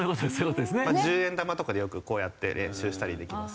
１０円玉とかでよくこうやって練習したりできますね。